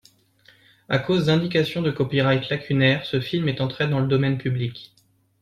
À cause d'indications de copyright lacunaires, ce film est entré dans le domaine public.